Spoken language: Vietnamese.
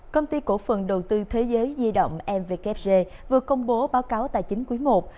công ty cổ phần đầu tư thế giới di động mvkfg vừa công bố báo cáo tài chính cuối một